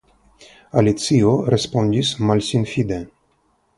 Alicio respondis malsinfide.